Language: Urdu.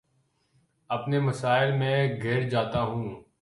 اپنے مسائل میں گھر جاتا ہوں